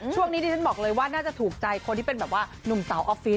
ช่วงนี้ดิฉันบอกเลยว่าน่าจะถูกใจคนที่เป็นหนุ่มสาวออฟฟิศ